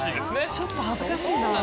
ちょっと恥ずかしいな。